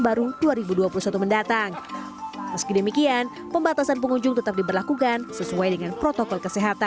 baru dua ribu dua puluh satu mendatang meski demikian pembatasan pengunjung tetap diberlakukan sesuai dengan protokol kesehatan